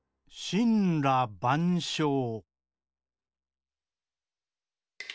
「しんらばんしょう」。